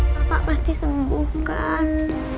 bapak pasti sembuhkan